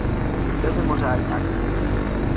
Byl mimořádně aktivní.